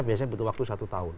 biasanya butuh waktu satu tahun